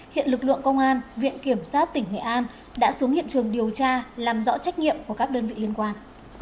hiện lực lượng công an viện kiểm sát tỉnh nghệ an đã xuống hiện trường điều tra làm rõ trách nhiệm của các đơn vị liên quan